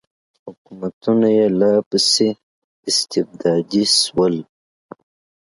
حکومتونه یې لا پسې استبدادي شول.